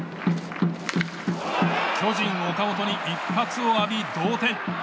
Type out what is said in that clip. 巨人、岡本に一発を浴び同点。